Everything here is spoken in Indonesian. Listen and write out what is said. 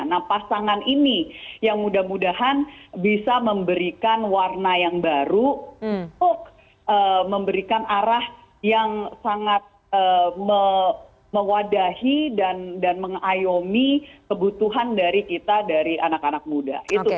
nah pasangan ini yang mudah mudahan bisa memberikan warna yang baru untuk memberikan arah yang sangat mewadahi dan mengayomi kebutuhan dari kita dari anak anak muda